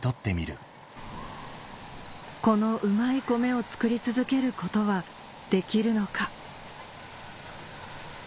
このうまいコメを作り続けることはできるのか